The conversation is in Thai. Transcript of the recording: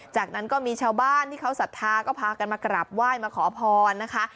จากนั้นก็มีชาวบ้านที่เขาศรัทธาก็พากันมากราบไหว้มาขอพรนะคะ